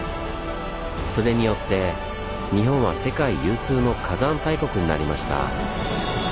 それによって日本は世界有数の火山大国になりました。